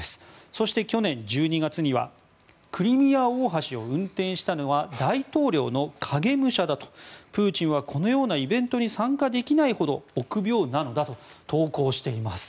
そして去年１２月にはクリミア大橋を運転したのは大統領の影武者だとプーチンはこのようなイベントに参加できないほど臆病なのだと投稿しています。